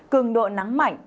cường độ nắng mạnh